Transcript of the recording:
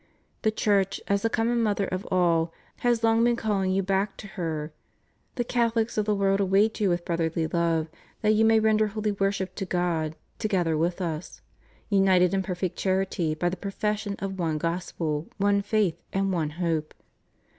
The Church, as the common mother of all, has long been calling you back to her; the Catholics of the world await you with brotherly love, that you may render holy worship to God together with us, united in perfect charity by the profession of one Gospel, one faith, and one hope.